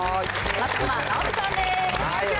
松嶋尚美さんです。